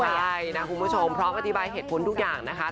ใช่นะคุณผู้ชมพร้อมอธิบายเหตุผลทุกอย่างนะคะ